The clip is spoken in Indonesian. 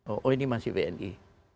oh ini masih bni